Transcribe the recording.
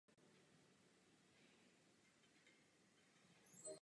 Také reportáže a rozhovory dělají často externí spolupracovníci novin.